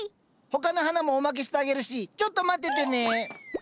他の花もおまけしてあげるしちょっと待っててね。